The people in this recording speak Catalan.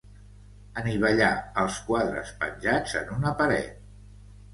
Anivellar els quadres penjats en una paret.